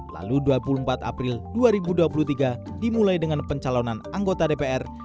lalu dua puluh empat april dua ribu dua puluh tiga dimulai dengan pencalonan anggota dpr